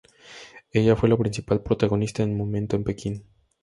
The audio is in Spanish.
Ella fue la principal protagonista en Momento en Pekín.